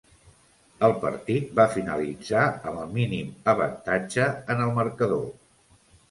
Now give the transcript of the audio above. El partit va finalitzar amb el mínim avantatge en el marcador.